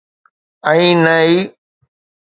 ۽ نه ئي.